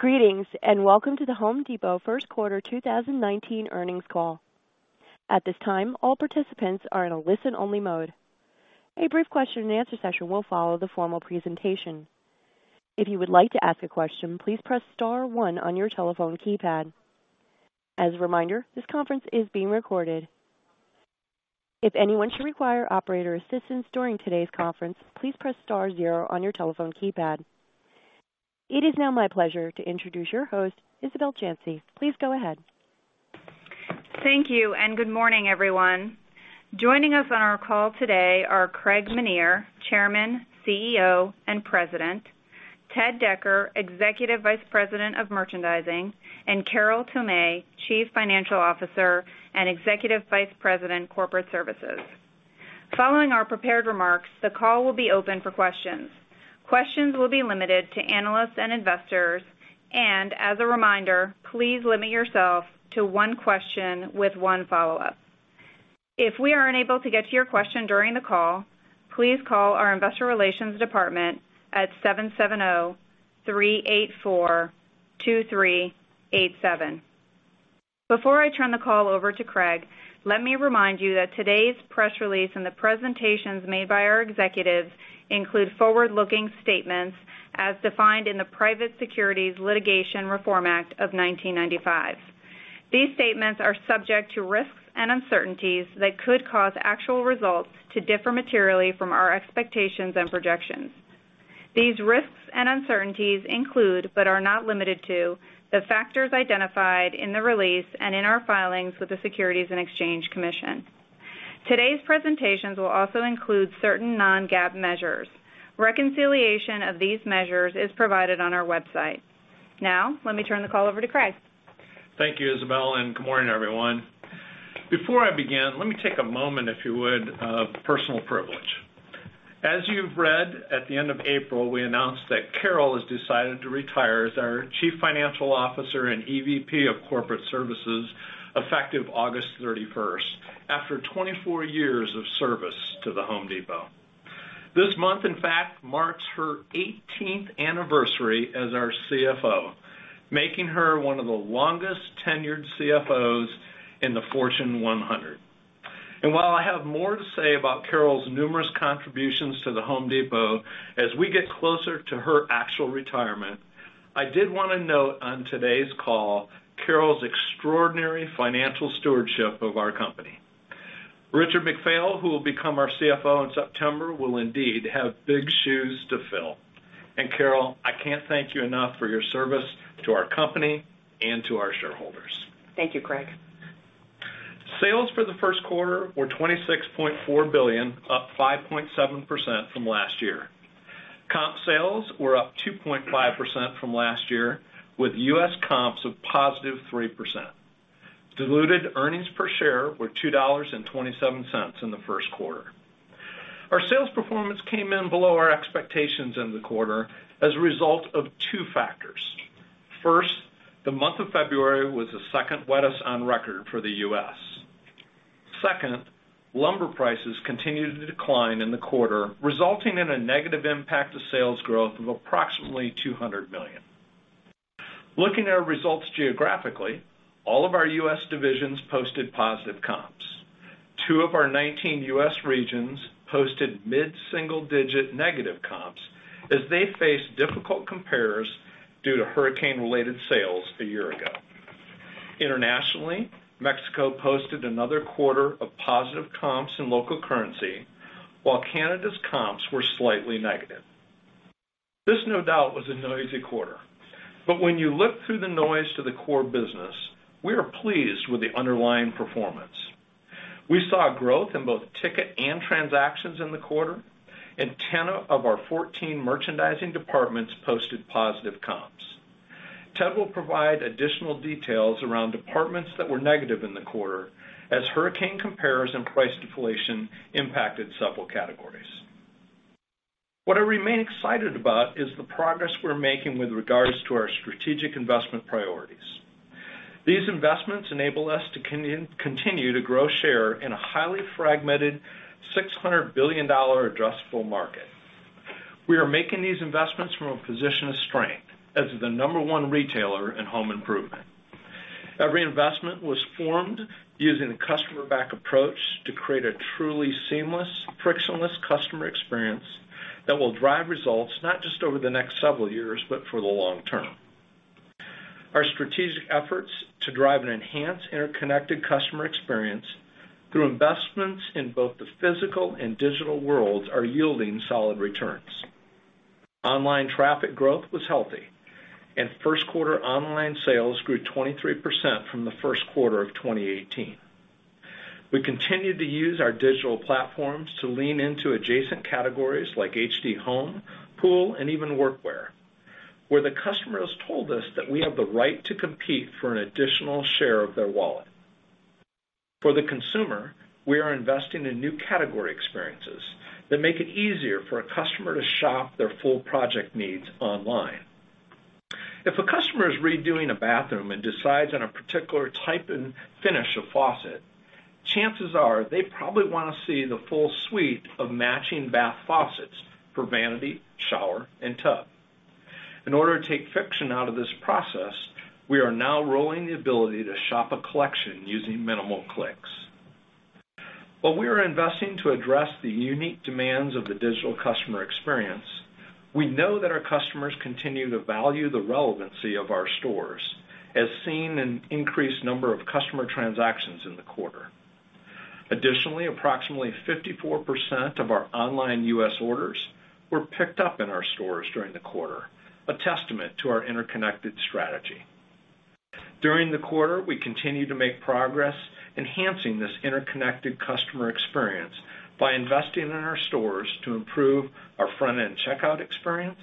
Greetings, welcome to The Home Depot first quarter 2019 earnings call. At this time, all participants are in a listen-only mode. A brief question and answer session will follow the formal presentation. If you would like to ask a question, please press star one on your telephone keypad. As a reminder, this conference is being recorded. If anyone should require operator assistance during today's conference, please press star zero on your telephone keypad. It is now my pleasure to introduce your host, Isabel Janci. Please go ahead. Thank you, good morning, everyone. Joining us on our call today are Craig Menear, Chairman, CEO, and President, Ted Decker, Executive Vice President of Merchandising, and Carol Tomé, Chief Financial Officer and Executive Vice President, Corporate Services. Following our prepared remarks, the call will be open for questions. Questions will be limited to analysts and investors, as a reminder, please limit yourself to one question with one follow-up. If we are unable to get to your question during the call, please call our investor relations department at 770-384-2387. Before I turn the call over to Craig, let me remind you that today's press release and the presentations made by our executives include forward-looking statements as defined in the Private Securities Litigation Reform Act of 1995. These statements are subject to risks and uncertainties that could cause actual results to differ materially from our expectations and projections. These risks and uncertainties include, but are not limited to, the factors identified in the release and in our filings with the Securities and Exchange Commission. Today's presentations will also include certain non-GAAP measures. Reconciliation of these measures is provided on our website. Now, let me turn the call over to Craig. Thank you, Isabel, good morning, everyone. Before I begin, let me take a moment, if you would, of personal privilege. As you've read, at the end of April, we announced that Carol has decided to retire as our Chief Financial Officer and EVP of Corporate Services effective August 31st, after 24 years of service to The Home Depot. This month, in fact, marks her 18th anniversary as our CFO, making her one of the longest-tenured CFOs in the Fortune 100. While I have more to say about Carol's numerous contributions to The Home Depot as we get closer to her actual retirement, I did want to note on today's call Carol's extraordinary financial stewardship of our company. Richard McPhail, who will become our CFO in September, will indeed have big shoes to fill. Carol, I can't thank you enough for your service to our company and to our shareholders. Thank you, Craig. Sales for the first quarter were $26.4 billion, up 5.7% from last year. Comp sales were up 2.5% from last year, with U.S. comps of positive 3%. Diluted earnings per share were $2.27 in the first quarter. Our sales performance came in below our expectations in the quarter as a result of two factors. First, the month of February was the second wettest on record for the U.S. Second, lumber prices continued to decline in the quarter, resulting in a negative impact to sales growth of approximately $200 million. Looking at our results geographically, all of our U.S. divisions posted positive comps. Two of our 19 U.S. regions posted mid-single-digit negative comps as they faced difficult compares due to hurricane-related sales a year ago. Internationally, Mexico posted another quarter of positive comps in local currency, while Canada's comps were slightly negative. This no doubt was a noisy quarter. When you look through the noise to the core business, we are pleased with the underlying performance. We saw growth in both ticket and transactions in the quarter, and 10 of our 14 merchandising departments posted positive comps. Ted will provide additional details around departments that were negative in the quarter as hurricane compares and price deflation impacted several categories. What I remain excited about is the progress we're making with regards to our strategic investment priorities. These investments enable us to continue to grow share in a highly fragmented $600 billion addressable market. We are making these investments from a position of strength as the number one retailer in home improvement. Every investment was formed using a customer-back approach to create a truly seamless, frictionless customer experience that will drive results not just over the next several years, but for the long term. Our strategic efforts to drive an enhanced, interconnected customer experience through investments in both the physical and digital worlds are yielding solid returns. Online traffic growth was healthy, and first quarter online sales grew 23% from the first quarter of 2018. We continued to use our digital platforms to lean into adjacent categories like HD Home, Pool, and even Workwear, where the customers told us that we have the right to compete for an additional share of their wallet. For the consumer, we are investing in new category experiences that make it easier for a customer to shop their full project needs online. If a customer is redoing a bathroom and decides on a particular type and finish of faucet, chances are they probably want to see the full suite of matching bath faucets for vanity, shower, and tub. In order to take friction out of this process, we are now rolling the ability to shop a collection using minimal clicks. While we are investing to address the unique demands of the digital customer experience, we know that our customers continue to value the relevancy of our stores, as seen in increased number of customer transactions in the quarter. Additionally, approximately 54% of our online U.S. orders were picked up in our stores during the quarter, a testament to our interconnected strategy. During the quarter, we continued to make progress enhancing this interconnected customer experience by investing in our stores to improve our front-end checkout experience,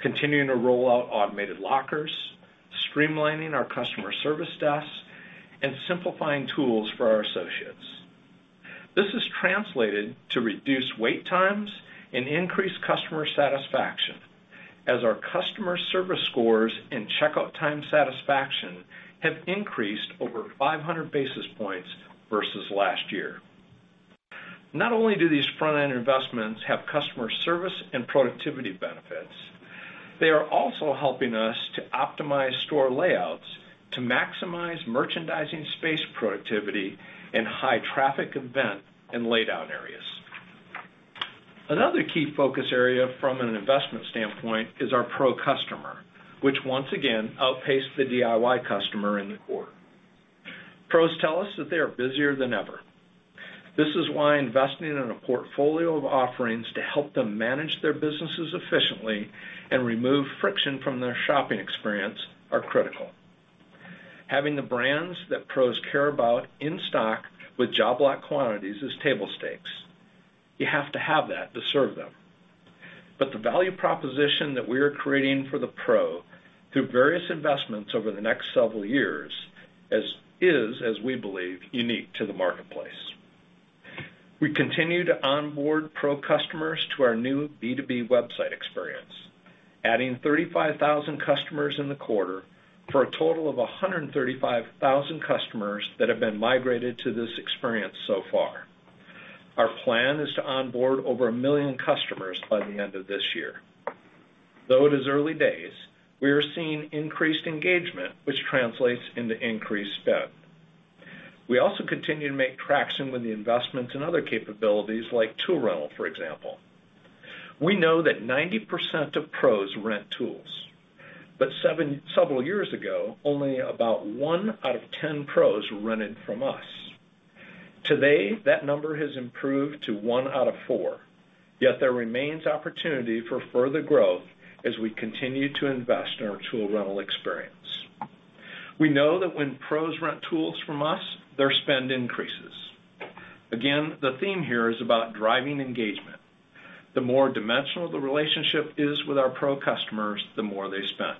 continuing to roll out automated lockers, streamlining our customer service desks, and simplifying tools for our associates. This has translated to reduced wait times and increased customer satisfaction as our customer service scores and checkout time satisfaction have increased over 500 basis points versus last year. Not only do these front-end investments have customer service and productivity benefits, they are also helping us to optimize store layouts to maximize merchandising space productivity in high-traffic event and laydown areas. Another key focus area from an investment standpoint is our pro customer, which once again outpaced the DIY customer in the quarter. Pros tell us that they are busier than ever. This is why investing in a portfolio of offerings to help them manage their businesses efficiently and remove friction from their shopping experience are critical. Having the brands that pros care about in stock with job lot quantities is table stakes. You have to have that to serve them. The value proposition that we are creating for the pro through various investments over the next several years is, as we believe, unique to the marketplace. We continue to onboard pro customers to our new B2B website experience, adding 35,000 customers in the quarter for a total of 135,000 customers that have been migrated to this experience so far. Our plan is to onboard over 1 million customers by the end of this year. Though it is early days, we are seeing increased engagement, which translates into increased spend. We also continue to make traction with the investments in other capabilities like tool rental, for example. We know that 90% of pros rent tools, but several years ago, only about 1 out of 10 pros rented from us. Today, that number has improved to 1 out of 4. Yet there remains opportunity for further growth as we continue to invest in our tool rental experience. We know that when pros rent tools from us, their spend increases. Again, the theme here is about driving engagement. The more dimensional the relationship is with our pro customers, the more they spend.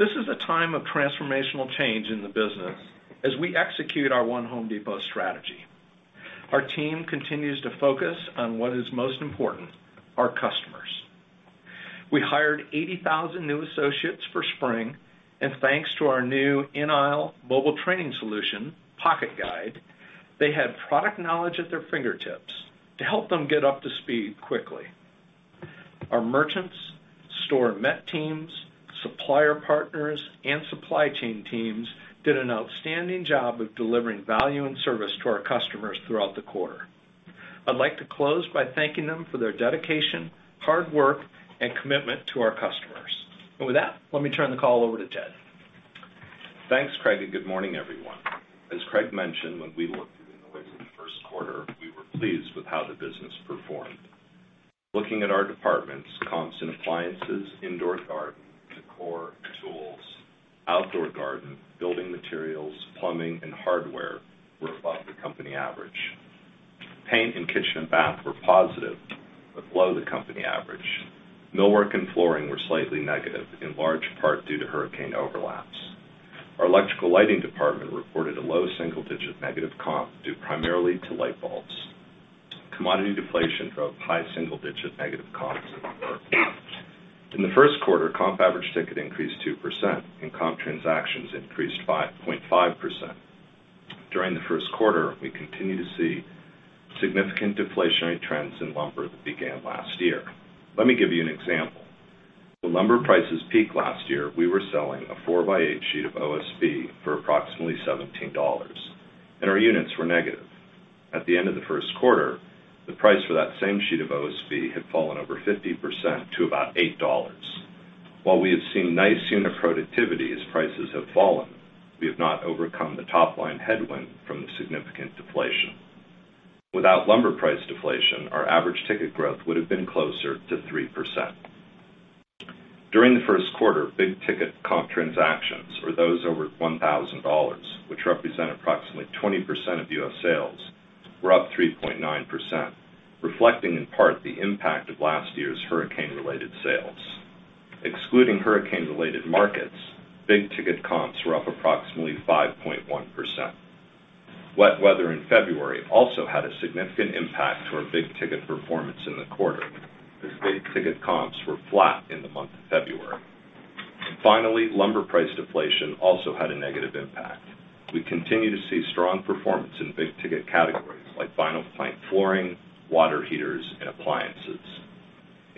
This is a time of transformational change in the business as we execute our One Home Depot strategy. Our team continues to focus on what is most important, our customers. We hired 80,000 new associates for spring, and thanks to our new in-aisle mobile training solution, Pocket Guide, they had product knowledge at their fingertips to help them get up to speed quickly. Our merchants, store and MET teams, supplier partners, and supply chain teams did an outstanding job of delivering value and service to our customers throughout the quarter. I'd like to close by thanking them for their dedication, hard work, and commitment to our customers. With that, let me turn the call over to Ted. Thanks, Craig. Good morning, everyone. As Craig mentioned, when we looked through the noise in the first quarter, we were pleased with how the business performed. Looking at our departments, comps in appliances, indoor garden, decor, tools, outdoor garden, building materials, plumbing, and hardware were above the company average. Paint and kitchen and bath were positive, but below the company average. Millwork and flooring were slightly negative, in large part due to hurricane overlaps. Our electrical lighting department reported a low single-digit negative comp due primarily to light bulbs. Commodity deflation drove high single-digit negative comps in lumber. In the first quarter, comp average ticket increased 2%, and comp transactions increased 5.5%. During the first quarter, we continue to see significant deflationary trends in lumber that began last year. Let me give you an example. When lumber prices peaked last year, we were selling a four by eight sheet of OSB for approximately $17, and our units were negative. At the end of the first quarter, the price for that same sheet of OSB had fallen over 50% to about $8. While we have seen nice unit productivity as prices have fallen, we have not overcome the top-line headwind from the significant deflation. Without lumber price deflation, our average ticket growth would have been closer to 3%. During the first quarter, big-ticket comp transactions, or those over $1,000, which represent approximately 20% of U.S. sales, were up 3.9%, reflecting in part the impact of last year's hurricane-related sales. Excluding hurricane-related markets, big-ticket comps were up approximately 5.1%. Wet weather in February also had a significant impact to our big-ticket performance in the quarter, as big-ticket comps were flat in the month of February. Lumber price deflation also had a negative impact. We continue to see strong performance in big-ticket categories like vinyl plank flooring, water heaters, and appliances.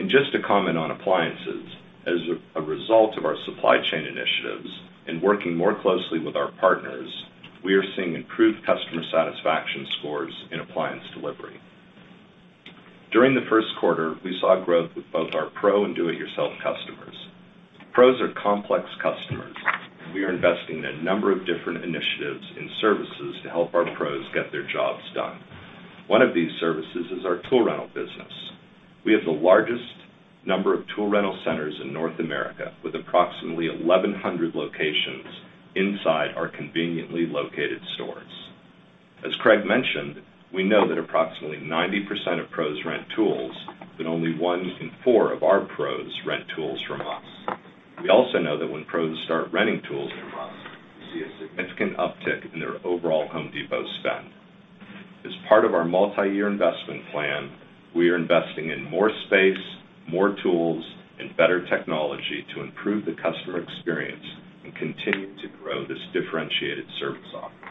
Just to comment on appliances, as a result of our supply chain initiatives and working more closely with our partners, we are seeing improved customer satisfaction scores in appliance delivery. During the first quarter, we saw growth with both our pro and do-it-yourself customers. Pros are complex customers, and we are investing in a number of different initiatives and services to help our pros get their jobs done. One of these services is our tool rental business. We have the largest number of tool rental centers in North America, with approximately 1,100 locations inside our conveniently located stores. As Craig mentioned, we know that approximately 90% of pros rent tools, but only one in four of our pros rent tools from us. We also know that when pros start renting tools from us, we see a significant uptick in their overall Home Depot spend. As part of our multiyear investment plan, we are investing in more space, more tools, and better technology to improve the customer experience and continue to grow this differentiated service offering.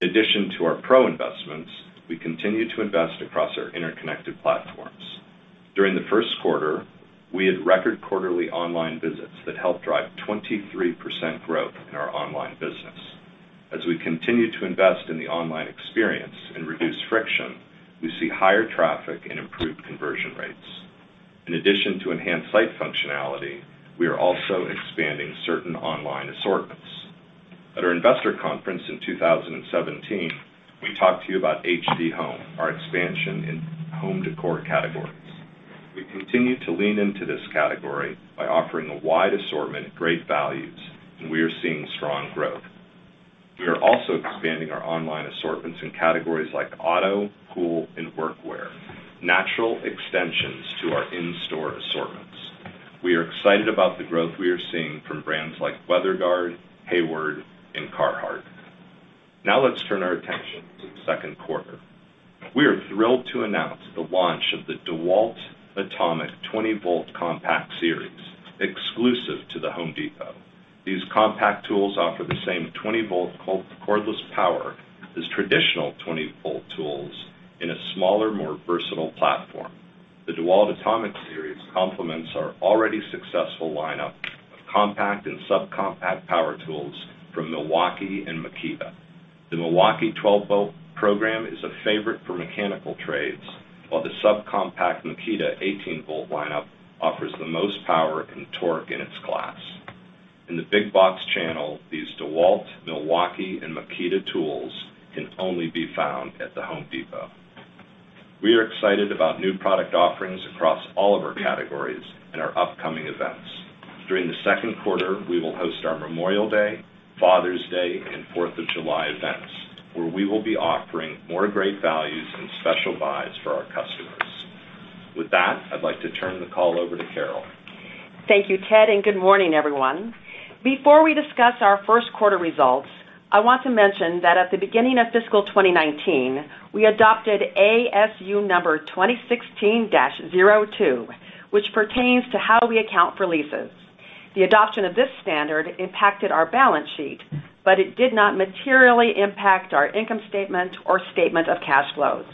In addition to our pro investments, we continue to invest across our interconnected platforms. During the first quarter, we had record quarterly online visits that helped drive 23% growth in our online business. As we continue to invest in the online experience and reduce friction, we see higher traffic and improved conversion rates. In addition to enhanced site functionality, we are also expanding certain online assortments. At our investor conference in 2017, we talked to you about HD Home, our expansion in home decor categories. We continue to lean into this category by offering a wide assortment at great values. We are seeing strong growth. We are also expanding our online assortments in categories like auto, pool, and workwear, natural extensions to our in-store assortments. We are excited about the growth we are seeing from brands like Weather Guard, Hayward, and Carhartt. Let's turn our attention to the second quarter. We are thrilled to announce the launch of the DEWALT ATOMIC 20 Volt Compact series, exclusive to The Home Depot. These compact tools offer the same 20 volt cordless power as traditional 20 volt tools in a smaller, more versatile platform. The DEWALT ATOMIC series complements our already successful lineup of compact and subcompact power tools from Milwaukee and Makita. The Milwaukee 12 volt program is a favorite for mechanical trades, while the subcompact Makita 18 volt lineup offers the most power and torque in its class. In the big box channel, these DEWALT, Milwaukee, and Makita tools can only be found at The Home Depot. We are excited about new product offerings across all of our categories and our upcoming events. During the second quarter, we will host our Memorial Day, Father's Day, and Fourth of July events, where we will be offering more great values and special buys for our customers. I'd like to turn the call over to Carol. Thank you, Ted, and good morning, everyone. Before we discuss our first quarter results, I want to mention that at the beginning of fiscal 2019, we adopted ASU 2016-02, which pertains to how we account for leases. It did not materially impact our income statement or statement of cash flows.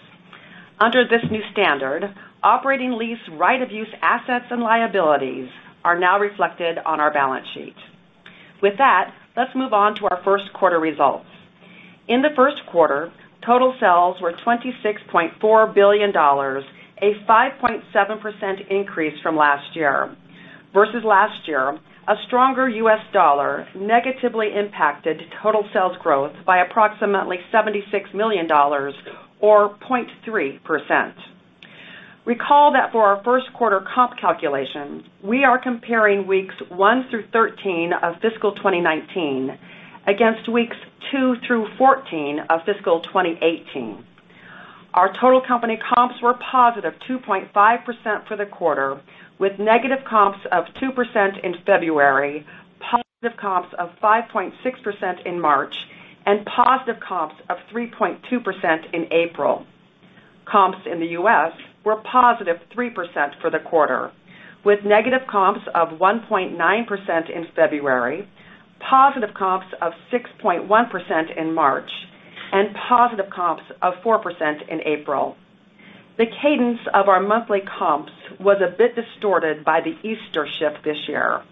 Under this new standard, operating lease right of use assets and liabilities are now reflected on our balance sheet. With that, let's move on to our first quarter results. In the first quarter, total sales were $26.4 billion, a 5.7% increase from last year. Versus last year, a stronger U.S. dollar negatively impacted total sales growth by approximately $76 million, or 0.3%. Recall that for our first quarter comp calculation, we are comparing weeks 1 through 13 of fiscal 2019 against weeks 2 through 14 of fiscal 2018. Our total company comps were positive 2.5% for the quarter, with negative comps of 2% in February, positive comps of 5.6% in March, and positive comps of 3.2% in April. Comps in the U.S. were a positive 3% for the quarter, with negative comps of 1.9% in February, positive comps of 6.1% in March, and positive comps of 4% in April. The cadence of our monthly comps was a bit distorted by the Easter shift this year.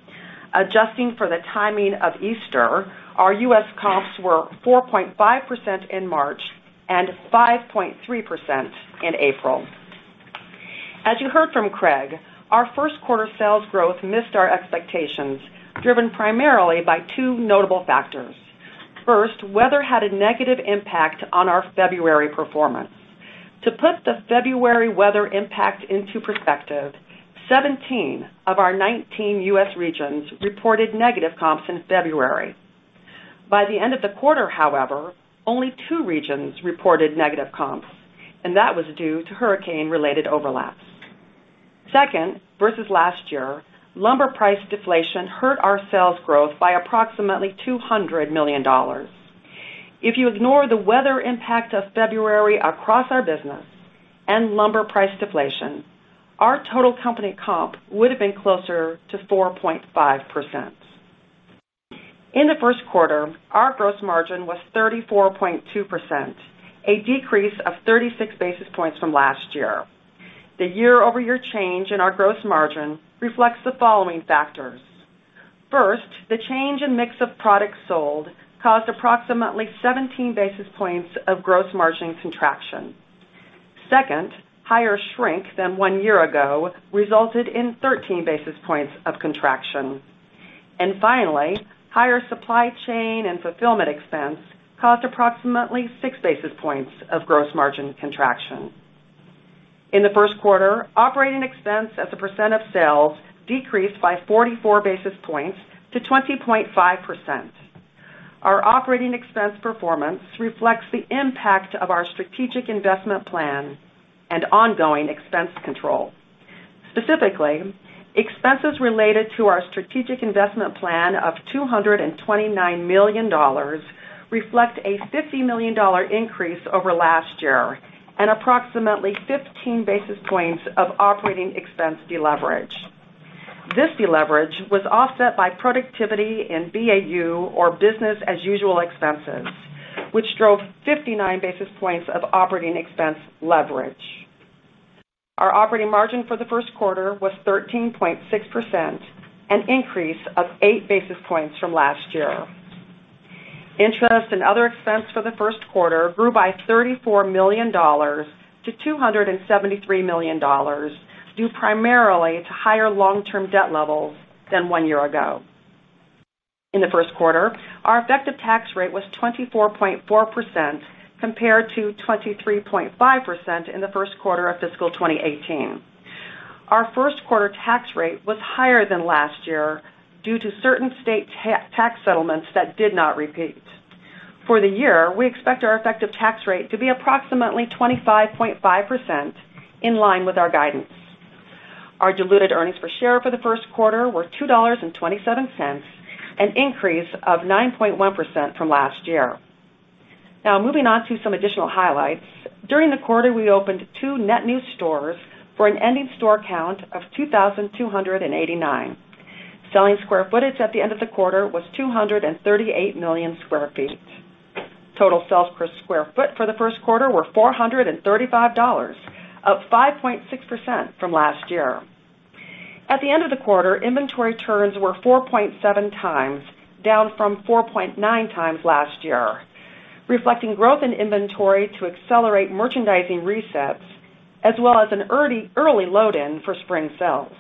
Adjusting for the timing of Easter, our U.S. comps were 4.5% in March and 5.3% in April. As you heard from Craig, our first quarter sales growth missed our expectations, driven primarily by two notable factors. First, weather had a negative impact on our February performance. To put the February weather impact into perspective, 17 of our 19 U.S. regions reported negative comps in February. By the end of the quarter, however, only two regions reported negative comps, and that was due to hurricane-related overlaps. Second, versus last year, lumber price deflation hurt our sales growth by approximately $200 million. If you ignore the weather impact of February across our business and lumber price deflation, our total company comp would have been closer to 4.5%. In the first quarter, our gross margin was 34.2%, a decrease of 36 basis points from last year. The year-over-year change in our gross margin reflects the following factors. First, the change in mix of products sold caused approximately 17 basis points of gross margin contraction. Second, higher shrink than one year ago resulted in 13 basis points of contraction. Finally, higher supply chain and fulfillment expense caused approximately six basis points of gross margin contraction. In the first quarter, operating expense as a percent of sales decreased by 44 basis points to 20.5%. Our operating expense performance reflects the impact of our strategic investment plan and ongoing expense control. Specifically, expenses related to our strategic investment plan of $229 million reflect a $50 million increase over last year and approximately 15 basis points of operating expense deleverage. This deleverage was offset by productivity in BAU, or business as usual, expenses, which drove 59 basis points of operating expense leverage. Our operating margin for the first quarter was 13.6%, an increase of eight basis points from last year. Interest and other expense for the first quarter grew by $34 million to $273 million, due primarily to higher long-term debt levels than one year ago. In the first quarter, our effective tax rate was 24.4%, compared to 23.5% in the first quarter of fiscal 2018. Our first quarter tax rate was higher than last year due to certain state tax settlements that did not repeat. For the year, we expect our effective tax rate to be approximately 25.5%, in line with our guidance. Our diluted earnings per share for the first quarter were $2.27, an increase of 9.1% from last year. Moving on to some additional highlights. During the quarter, we opened two net new stores for an ending store count of 2,289. Selling square footage at the end of the quarter was 238 million square feet. Total sales per square foot for the first quarter were $435, up 5.6% from last year. At the end of the quarter, inventory turns were 4.7 times, down from 4.9 times last year, reflecting growth in inventory to accelerate merchandising resets, as well as an early load-in for spring sales.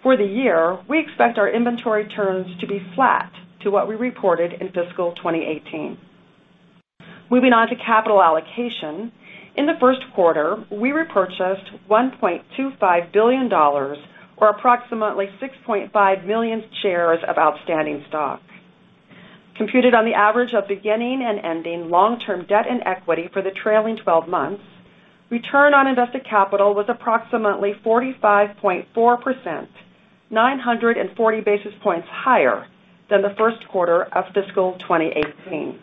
For the year, we expect our inventory turns to be flat to what we reported in fiscal 2018. Moving on to capital allocation. In the first quarter, we repurchased $1.25 billion, or approximately 6.5 million shares of outstanding stock. Computed on the average of beginning and ending long-term debt and equity for the trailing 12 months, return on invested capital was approximately 45.4%, 940 basis points higher than the first quarter of fiscal 2018.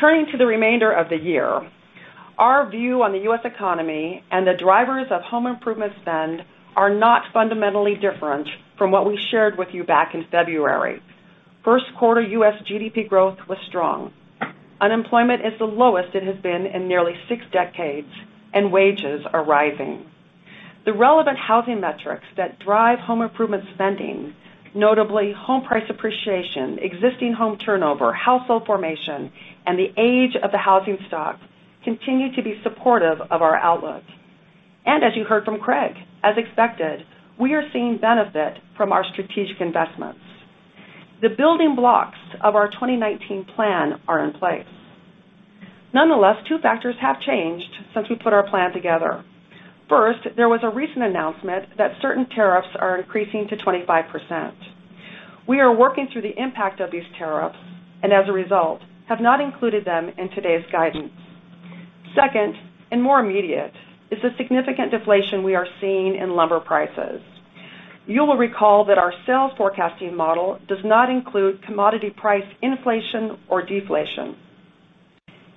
Turning to the remainder of the year. Our view on the U.S. economy and the drivers of home improvement spend are not fundamentally different from what we shared with you back in February. First quarter U.S. GDP growth was strong. Unemployment is the lowest it has been in nearly 6 decades, and wages are rising. The relevant housing metrics that drive home improvement spending, notably home price appreciation, existing home turnover, household formation, and the age of the housing stock, continue to be supportive of our outlook. As you heard from Craig, as expected, we are seeing benefit from our strategic investments. The building blocks of our 2019 plan are in place. Nonetheless, two factors have changed since we put our plan together. First, there was a recent announcement that certain tariffs are increasing to 25%. We are working through the impact of these tariffs, as a result, have not included them in today's guidance. Second, more immediate, is the significant deflation we are seeing in lumber prices. You will recall that our sales forecasting model does not include commodity price inflation or deflation.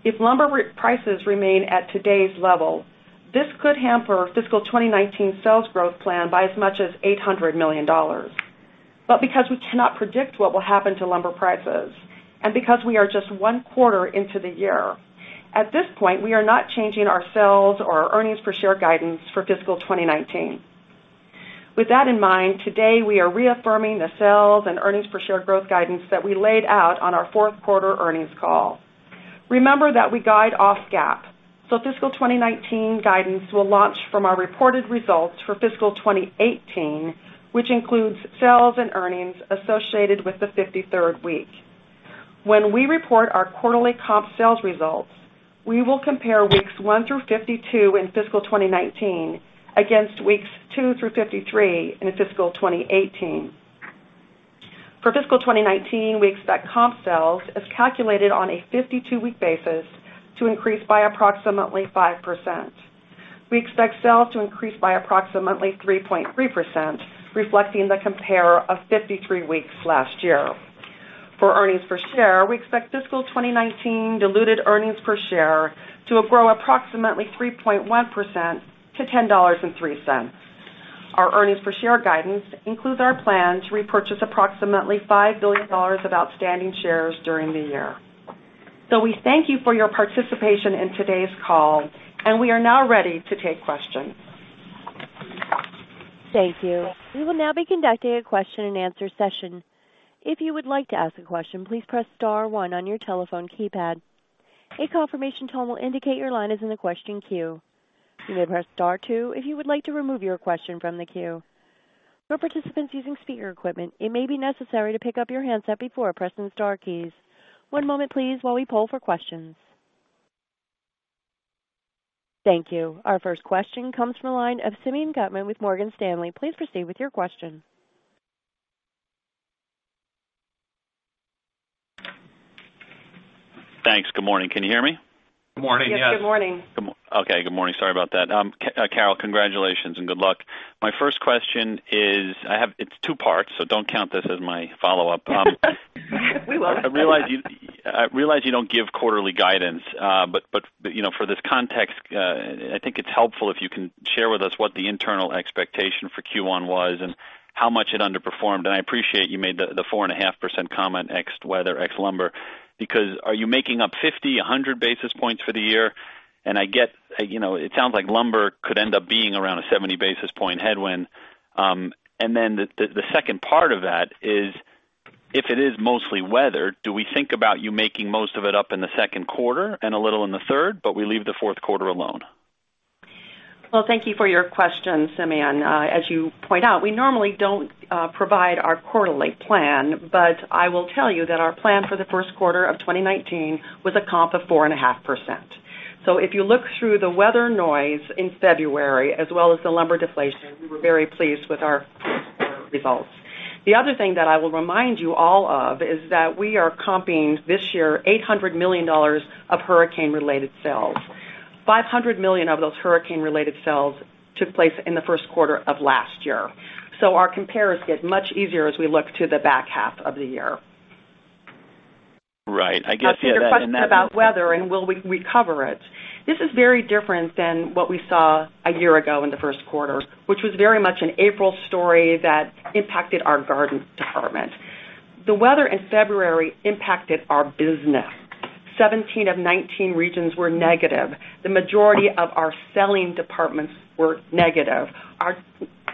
If lumber prices remain at today's level, this could hamper our fiscal 2019 sales growth plan by as much as $800 million. Because we cannot predict what will happen to lumber prices, because we are just one quarter into the year, at this point, we are not changing our sales or earnings per share guidance for fiscal 2019. With that in mind, today we are reaffirming the sales and earnings per share growth guidance that we laid out on our fourth quarter earnings call. Remember that we guide off GAAP, so fiscal 2019 guidance will launch from our reported results for fiscal 2018, which includes sales and earnings associated with the 53rd week. When we report our quarterly comp sales results, we will compare weeks one through 52 in fiscal 2019 against weeks two through 53 in fiscal 2018. For fiscal 2019, we expect comp sales, as calculated on a 52-week basis, to increase by approximately 5%. We expect sales to increase by approximately 3.3%, reflecting the compare of 53 weeks last year. For earnings per share, we expect fiscal 2019 diluted earnings per share to grow approximately 3.1% to $10.03. Our earnings per share guidance includes our plan to repurchase approximately $5 billion of outstanding shares during the year. We thank you for your participation in today's call, and we are now ready to take questions. Thank you. We will now be conducting a question and answer session. If you would like to ask a question, please press star one on your telephone keypad. A confirmation tone will indicate your line is in the question queue. You may press star two if you would like to remove your question from the queue. For participants using speaker equipment, it may be necessary to pick up your handset before pressing the star keys. One moment please while we poll for questions. Thank you. Our first question comes from the line of Simeon Gutman with Morgan Stanley. Please proceed with your question. Thanks. Good morning. Can you hear me? Good morning, yes. Yes. Good morning. Okay. Good morning. Sorry about that. Carol, congratulations and good luck. My first question is, it's two parts, don't count this as my follow-up. We love it. I realize you don't give quarterly guidance, but for this context, I think it's helpful if you can share with us what the internal expectation for Q1 was and how much it underperformed. I appreciate you made the 4.5% comment ex weather, ex lumber, because are you making up 50, 100 basis points for the year? I get it sounds like lumber could end up being around a 70 basis point headwind. The second part of that is, if it is mostly weather, do we think about you making most of it up in the second quarter and a little in the third, but we leave the fourth quarter alone? Well, thank you for your question, Simeon. As you point out, we normally don't provide our quarterly plan, but I will tell you that our plan for the first quarter of 2019 was a comp of 4.5%. If you look through the weather noise in February as well as the lumber deflation, we were very pleased with our results. The other thing that I will remind you all of is that we are comping this year, $800 million of hurricane-related sales. $500 million of those hurricane-related sales took place in the first quarter of last year. Our compares get much easier as we look to the back half of the year. Right. To your question about weather and will we recover it. This is very different than what we saw a year ago in the first quarter, which was very much an April story that impacted our garden department. The weather in February impacted our business. 17 of 19 regions were negative. The majority of our selling departments were negative. Our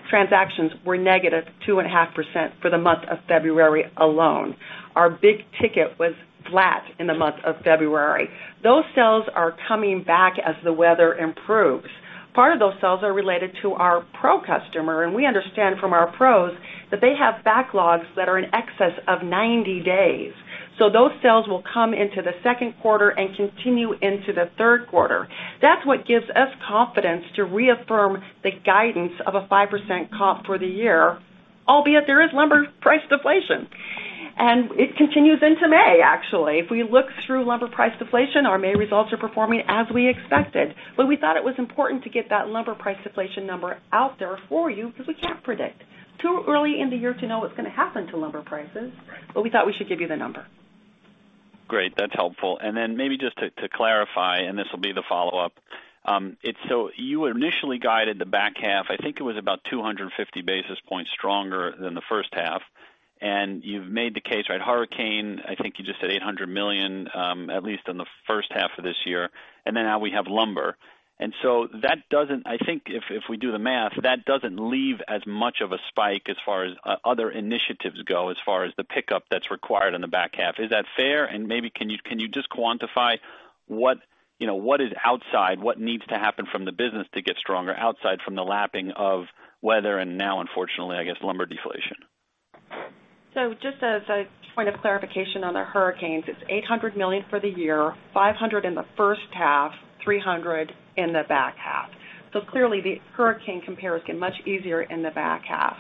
transactions were negative 2.5% for the month of February alone. Our big ticket was flat in the month of February. Those sales are coming back as the weather improves. Part of those sales are related to our pro customer, and we understand from our pros that they have backlogs that are in excess of 90 days. Those sales will come into the second quarter and continue into the third quarter. That's what gives us confidence to reaffirm the guidance of a 5% comp for the year, albeit there is lumber price deflation. It continues into May, actually. If we look through lumber price deflation, our May results are performing as we expected. We thought it was important to get that lumber price deflation number out there for you because we can't predict. Too early in the year to know what's going to happen to lumber prices, but we thought we should give you the number. Great. That's helpful. Maybe just to clarify, this will be the follow-up. You initially guided the back half, I think it was about 250 basis points stronger than the first half, you've made the case, hurricane, I think you just said $800 million, at least in the first half of this year, now we have lumber. I think if we do the math, that doesn't leave as much of a spike as far as other initiatives go, as far as the pickup that's required in the back half. Is that fair? Maybe can you just quantify what is outside, what needs to happen from the business to get stronger outside from the lapping of weather and now unfortunately, I guess, lumber deflation? Just as a point of clarification on the hurricanes, it's $800 million for the year, $500 in the first half, $300 in the back half. Clearly, the hurricane compares get much easier in the back half.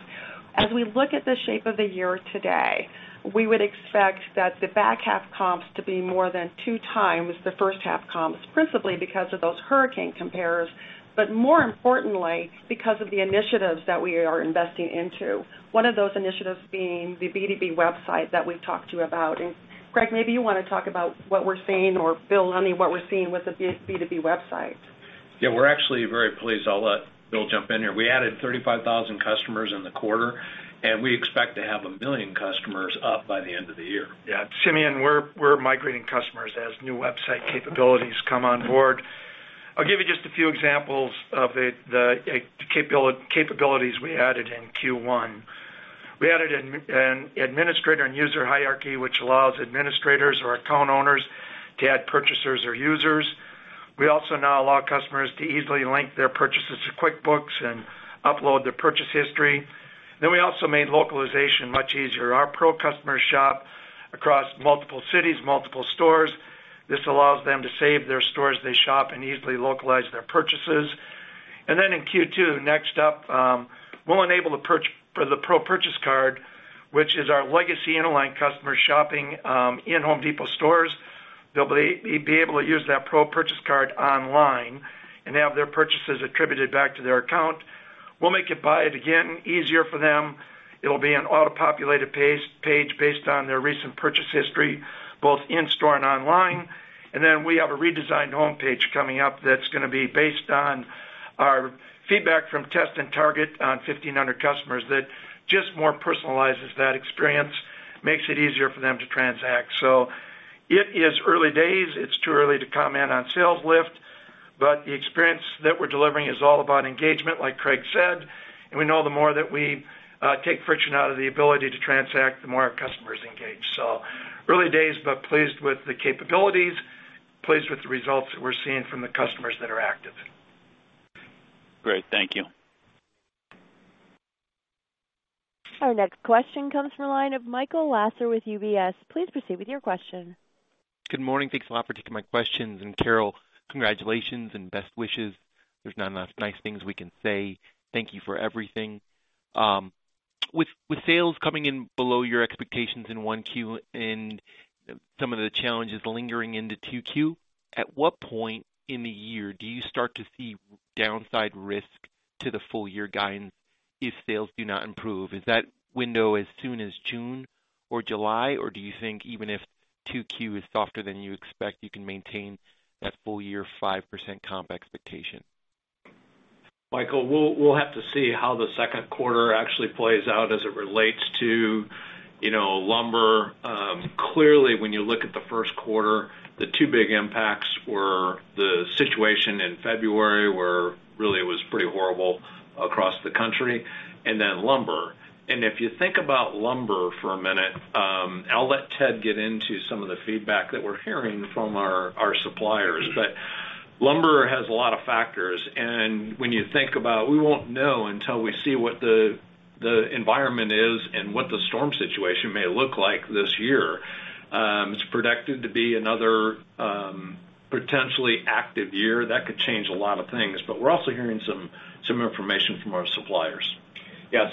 As we look at the shape of the year today, we would expect that the back half comps to be more than two times the first half comps, principally because of those hurricane compares, but more importantly, because of the initiatives that we are investing into. One of those initiatives being the B2B website that we've talked to you about. Craig, maybe you want to talk about what we're seeing or Bill Iannone, what we're seeing with the B2B website. We're actually very pleased. I'll let Bill jump in here. We added 35,000 customers in the quarter, we expect to have 1 million customers up by the end of the year. Simeon, we're migrating customers as new website capabilities come on board. I'll give you just a few examples of the capabilities we added in Q1. We added an administrator and user hierarchy, which allows administrators or account owners to add purchasers or users. We also now allow customers to easily link their purchases to QuickBooks and upload their purchase history. We also made localization much easier. Our pro customer shop across multiple cities, multiple stores. This allows them to save their stores they shop and easily localize their purchases. In Q2, next up, we'll enable the pro purchase card, which is our legacy online customer shopping in The Home Depot stores. They'll be able to use that pro purchase card online and have their purchases attributed back to their account. We'll make it, buy it again, easier for them. It'll be an auto-populated page based on their recent purchase history, both in-store and online. We have a redesigned homepage coming up that's going to be based on our feedback from test and target on 1,500 customers that just more personalizes that experience, makes it easier for them to transact. It is early days. It's too early to comment on sales lift, but the experience that we're delivering is all about engagement, like Craig said, and we know the more that we take friction out of the ability to transact, the more our customers engage. Early days, but pleased with the capabilities, pleased with the results that we're seeing from the customers that are active. Great. Thank you. Our next question comes from the line of Michael Lasser with UBS. Please proceed with your question. Good morning. Thanks a lot for taking my questions. Carol, congratulations and best wishes. There's not enough nice things we can say. Thank you for everything. With sales coming in below your expectations in 1Q and some of the challenges lingering into 2Q, at what point in the year do you start to see downside risk to the full-year guidance if sales do not improve? Is that window as soon as June or July? Do you think even if 2Q is softer than you expect, you can maintain that full-year 5% comp expectation? Michael, we'll have to see how the second quarter actually plays out as it relates to lumber. Clearly, when you look at the first quarter, the two big impacts were the situation in February, where really it was pretty horrible across the country, and then lumber. If you think about lumber for a minute, I'll let Ted get into some of the feedback that we're hearing from our suppliers. Lumber has a lot of factors, and when you think about, we won't know until we see what the environment is and what the storm situation may look like this year. It's predicted to be another potentially active year. That could change a lot of things, we're also hearing some information from our suppliers. Yeah.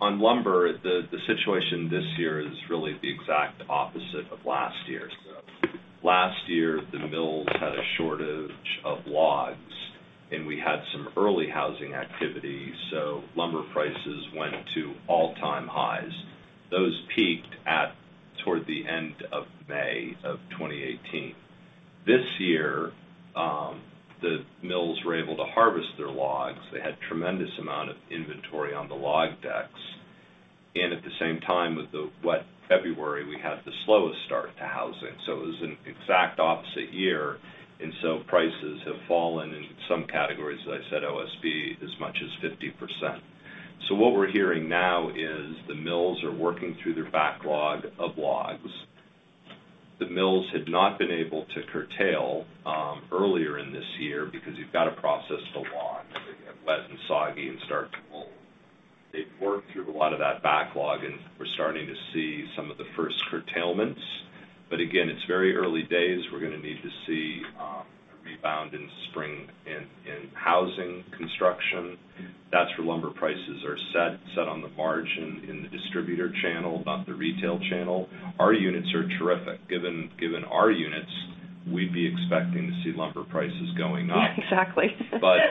On lumber, the situation this year is really the exact opposite of last year. Last year, the mills had a shortage of logs, we had some early housing activity, lumber prices went to all-time highs. Those peaked toward the end of May 2018. This year, the mills were able to harvest their logs. They had tremendous amount of inventory on the log decks. At the same time, with the wet February, we had the slowest start to housing, it was an exact opposite year. Prices have fallen in some categories, as I said, OSB, as much as 50%. What we're hearing now is the mills are working through their backlog of logs. The mills had not been able to curtail earlier in this year because you've got to process the logs. They get wet and soggy and start to mold. They've worked through a lot of that backlog, we're starting to see some of the first curtailments. Again, it's very early days. We're going to need to see a rebound in spring in housing construction. That's where lumber prices are set on the margin in the distributor channel, not the retail channel. Our units are terrific. Given our units, we'd be expecting to see lumber prices going up. Exactly.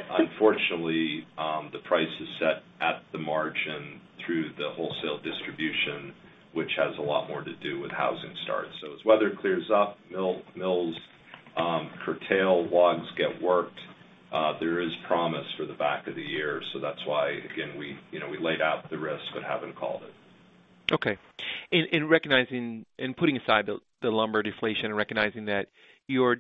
Unfortunately, the price is set at the margin through the wholesale distribution, which has a lot more to do with housing starts. As weather clears up, mills curtail, logs get worked. There is promise for the back of the year. That's why, again, we laid out the risk but haven't called it. Okay. In recognizing and putting aside the lumber deflation and recognizing that your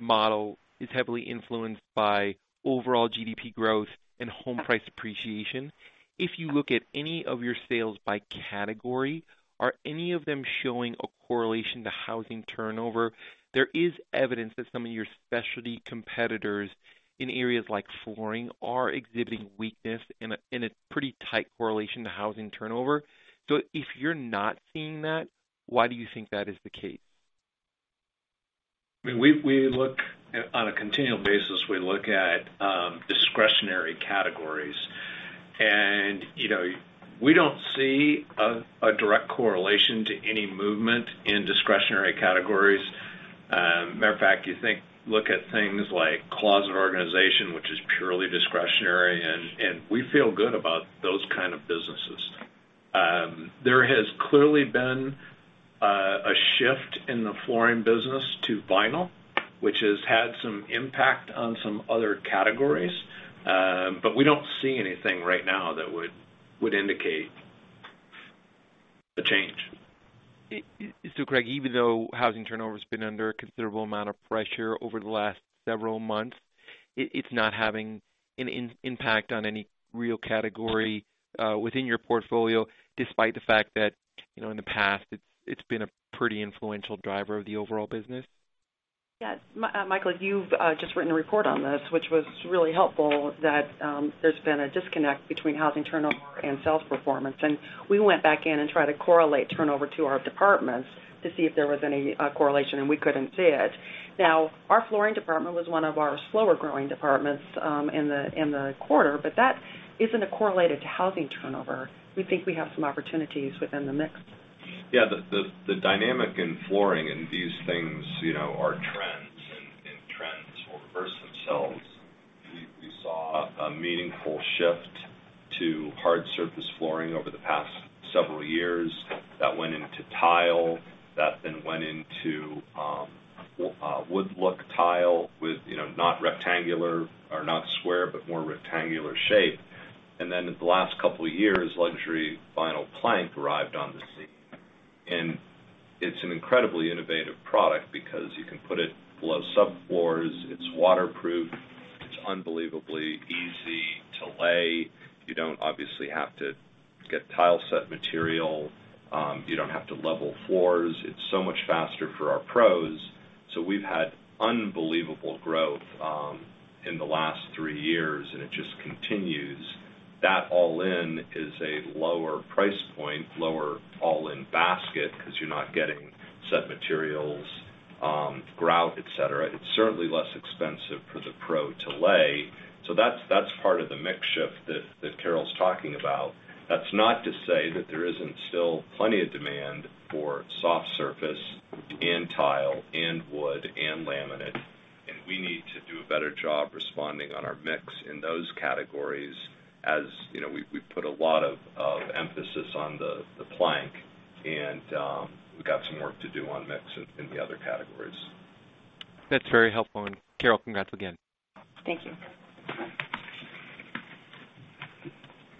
model is heavily influenced by overall GDP growth and home price appreciation, if you look at any of your sales by category, are any of them showing a correlation to housing turnover? There is evidence that some of your specialty competitors in areas like flooring are exhibiting weakness in a pretty tight correlation to housing turnover. If you're not seeing that, why do you think that is the case? On a continual basis, we look at discretionary categories, we don't see a direct correlation to any movement in discretionary categories. Matter of fact, you look at things like closet organization, which is purely discretionary, and we feel good about those kind of businesses. There has clearly been a shift in the flooring business to vinyl, which has had some impact on some other categories. We don't see anything right now that would indicate a change. Craig, even though housing turnover has been under a considerable amount of pressure over the last several months, it's not having an impact on any real category within your portfolio, despite the fact that, in the past, it's been a pretty influential driver of the overall business? Yes. Michael, you've just written a report on this, which was really helpful, that there's been a disconnect between housing turnover and sales performance. We went back in and tried to correlate turnover to our departments to see if there was any correlation, and we couldn't see it. Now, our flooring department was one of our slower growing departments in the quarter, that isn't correlated to housing turnover. We think we have some opportunities within the mix. Yeah. The dynamic in flooring. These things are trends, and trends will reverse themselves. We saw a meaningful shift to hard surface flooring over the past several years that went into tile, that then went into wood-look tile with not square, but more rectangular shape. Then in the last couple of years, luxury vinyl plank arrived on the scene. It's an incredibly innovative product because you can put it below subfloors. It's waterproof. It's unbelievably easy to lay. You don't obviously have to get tile set material. You don't have to level floors. It's so much faster for our pros. We've had unbelievable growth in the last three years, and it just continues. That all-in is a lower price point, lower all-in basket because you're not getting set materials, grout, et cetera. It's certainly less expensive for the pro to lay. That's part of the mix shift that Carol's talking about. That's not to say that there isn't still plenty of demand for soft surface and tile and wood and laminate. We need to do a better job responding on our mix in those categories. As we've put a lot of emphasis on the plank, and we've got some work to do on mix in the other categories. That's very helpful. Carol, congrats again. Thank you.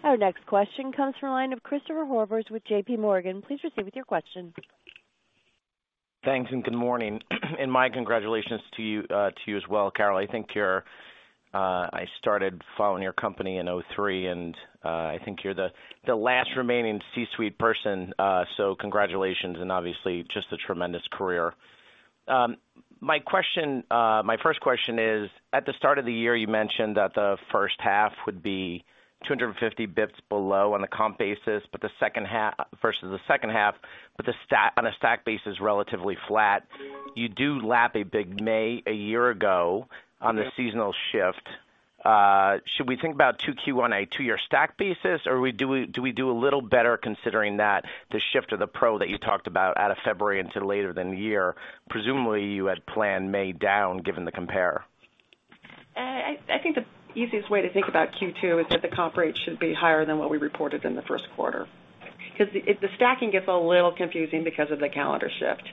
Our next question comes from the line of Christopher Horvers with JPMorgan. Please proceed with your question. Thanks. Good morning. My congratulations to you as well, Carol. I started following your company in 2003, and I think you're the last remaining C-suite person, congratulations, and obviously, just a tremendous career. My first question is, at the start of the year, you mentioned that the first half would be 250 basis points below on the comp basis versus the second half, but on a stack basis, relatively flat. You do lap a big May a year ago on the seasonal shift. Should we think about 2Q on a two-year stack basis, or do we do a little better considering that the shift of the pro that you talked about out of February into later than a year? Presumably, you had planned May down given the compare. I think the easiest way to think about Q2 is that the comp rate should be higher than what we reported in the first quarter. The stacking gets a little confusing because of the calendar shift.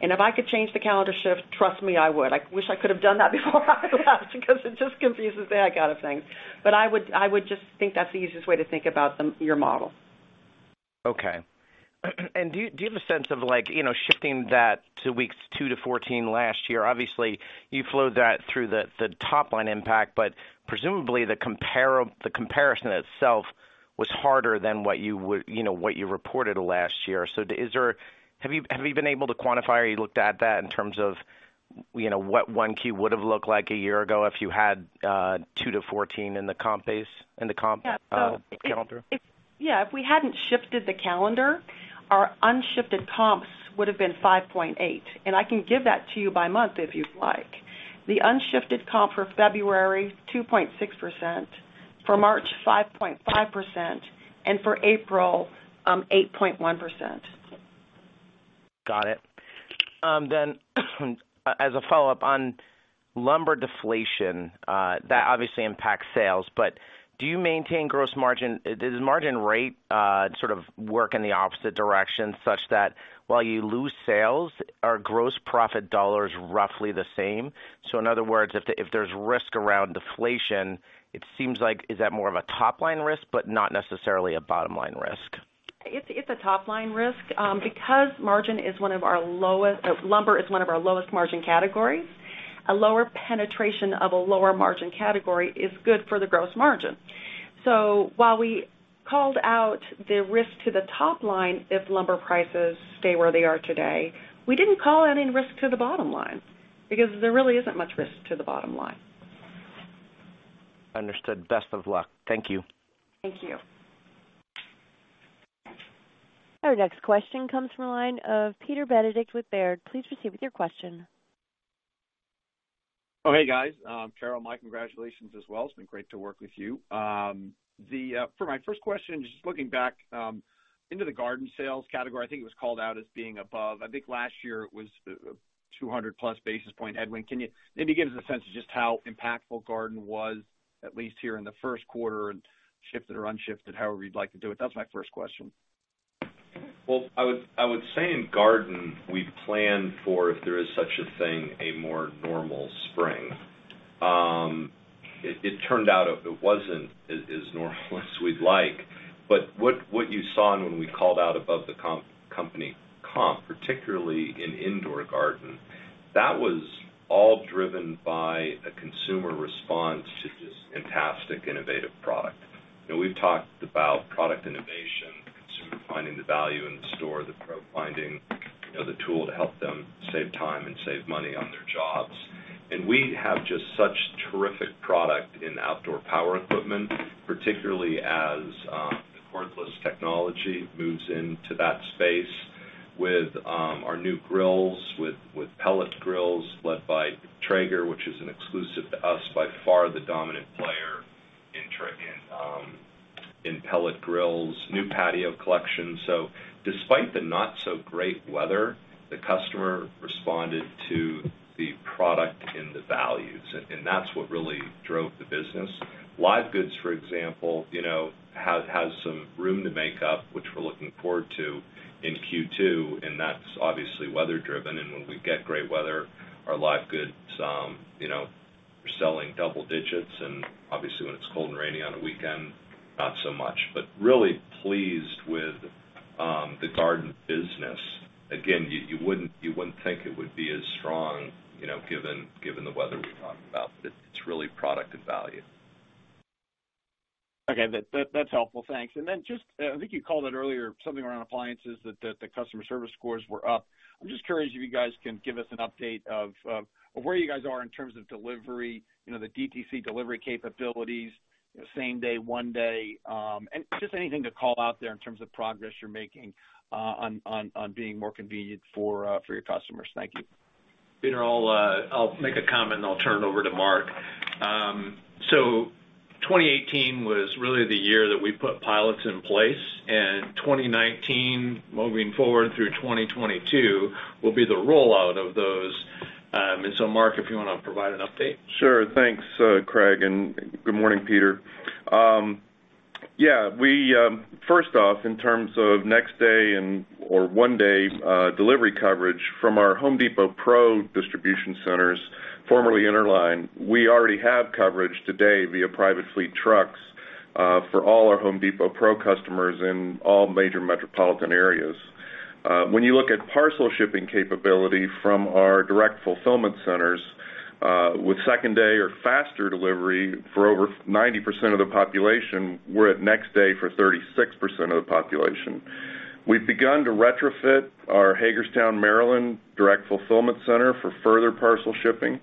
If I could change the calendar shift, trust me, I would. I wish I could have done that before I left because it just confuses that kind of thing. I would just think that's the easiest way to think about your model. Okay. Do you have a sense of shifting that to weeks 2-14 last year? Obviously, you flowed that through the top-line impact, presumably, the comparison itself was harder than what you reported last year. Have you been able to quantify or you looked at that in terms of what 1Q would've looked like a year ago if you had 2-14 in the comp calendar? Yeah. If we hadn't shifted the calendar, our unshifted comps would've been 5.8, and I can give that to you by month if you'd like. The unshifted comp for February, 2.6%; for March, 5.5%; and for April, 8.1%. Got it. As a follow-up, on lumber deflation, that obviously impacts sales, but do you maintain gross margin? Does margin rate sort of work in the opposite direction such that while you lose sales, are gross profit dollars roughly the same? In other words, if there's risk around deflation, it seems like, is that more of a top-line risk but not necessarily a bottom-line risk? It's a top-line risk. Because lumber is one of our lowest margin categories, a lower penetration of a lower margin category is good for the gross margin. While we called out the risk to the top-line if lumber prices stay where they are today, we didn't call any risk to the bottom-line because there really isn't much risk to the bottom-line. Understood. Best of luck. Thank you. Thank you. Our next question comes from the line of Peter Benedict with Baird. Please proceed with your question. Oh, hey, guys. Carol, my congratulations as well. It's been great to work with you. For my first question, just looking back into the garden sales category, I think it was called out as being above. I think last year it was 200-plus basis point headway. Can you maybe give us a sense of just how impactful garden was, at least here in the first quarter, and shifted or unshifted, however you'd like to do it? That was my first question. Well, I would say in garden, we plan for, if there is such a thing, a more normal spring. It turned out it wasn't as normal as we'd like. What you saw and when we called out above the company comp, particularly in indoor garden, that was all driven by a consumer response to just fantastic, innovative product. We've talked about product innovation, consumer finding the value in the store, the pro finding the tool to help them save time and save money on their job. We have just such terrific product in outdoor power equipment, particularly as the cordless technology moves into that space with our new grills, with pellet grills led by Traeger, which is an exclusive to us, by far the dominant player in pellet grills. New patio collection. Despite the not so great weather, the customer responded to the product and the values, and that's what really drove the business. Live goods, for example, has some room to make up, which we're looking forward to in Q2, and that's obviously weather driven. When we get great weather, our live goods are selling double digits, and obviously when it's cold and rainy on a weekend, not so much. Really pleased with the garden business. Again, you wouldn't think it would be as strong, given the weather we've talked about. It's really product and value. Okay. That's helpful. Thanks. Then just, I think you called it earlier, something around appliances that the customer service scores were up. I'm just curious if you guys can give us an update of where you guys are in terms of delivery, the DTC delivery capabilities, same day, one day, and just anything to call out there in terms of progress you're making on being more convenient for your customers. Thank you. Peter, I'll make a comment, and I'll turn it over to Mark. 2018 was really the year that we put pilots in place, and 2019 moving forward through 2022 will be the rollout of those. Mark, if you want to provide an update. Sure. Thanks, Craig, and good morning, Peter. Yeah. First off, in terms of next day and/or one-day delivery coverage from our The Home Depot Pro distribution centers, formerly Interline, we already have coverage today via private fleet trucks for all our The Home Depot Pro customers in all major metropolitan areas. When you look at parcel shipping capability from our direct fulfillment centers, with second day or faster delivery for over 90% of the population, we're at next day for 36% of the population. We've begun to retrofit our Hagerstown, Maryland direct fulfillment center for further parcel shipping.